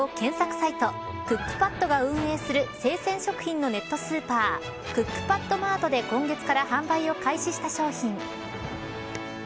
サイトクックパッドが運営する生鮮食品のネットスーパークックパッドマートで今月から販売を開始した商品。